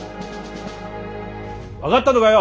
分かったのかよ！